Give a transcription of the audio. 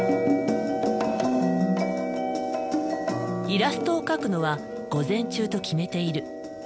イラストを描くのは午前中と決めている。